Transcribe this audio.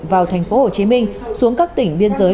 vào thành phố hồ chí minh xuống các tỉnh biên giới